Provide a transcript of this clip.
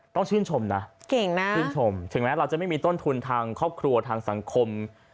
ต้องชื่นชมนะเก่งมากชื่นชมถึงแม้เราจะไม่มีต้นทุนทางครอบครัวทางสังคม